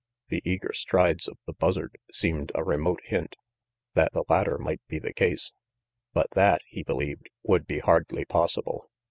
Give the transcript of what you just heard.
The eager strides of the Buzzard seemed a remote RANGY PETE 105 hint that the latter might be the case; but that, he believed, would be hardly possible.